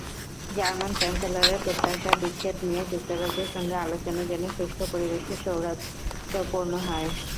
German চ্যান্সেলরের প্রত্যাশা, বিচ্ছেদ নিয়ে যুক্তরাজ্যের সঙ্গে আলোচনা যেন সুষ্ঠু পরিবেশে সৌহার্দ্যপূর্ণ হয়।